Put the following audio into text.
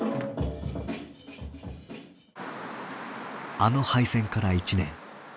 あの敗戦から１年。